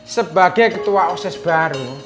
sebagai ketua oss baru